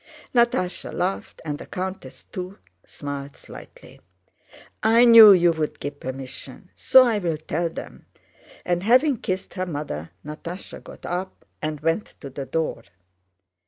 Natásha laughed, and the countess too smiled slightly. "I knew you'd give permission... so I'll tell them," and, having kissed her mother, Natásha got up and went to the door.